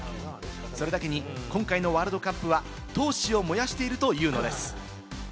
それだけに今回のワールドカップは闘志を燃やしているというのです。